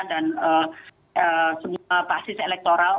dan semua pasis elektoral